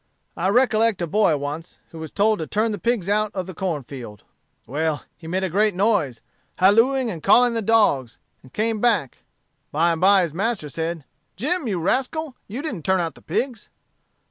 "I recollect a boy once, who was told to turn the pigs out of the corn field. Well, he made a great noise, hallooing and calling the dogs and came back. By and by his master said, 'Jim, you rascal! you didn't turn out the pigs.'